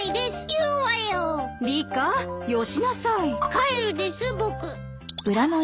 帰るです僕。